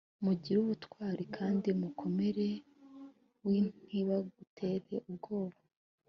Mugire ubutwari kandi mukomere w Ntibagutere ubwoba